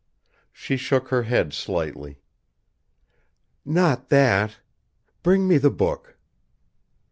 She shook her head slightly. "Not that! Bring me the book."